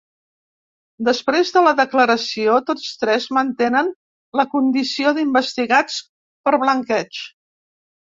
Després de la declaració tots tres mantenen la condició d’investigats per blanqueig.